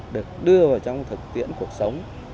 được đưa vào trong thực tiễn cuộc sống